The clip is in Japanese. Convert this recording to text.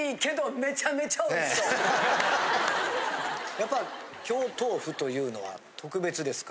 やっぱ京豆腐というのは特別ですか？